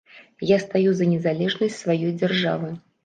Я стаю за незалежнасць сваёй дзяржавы.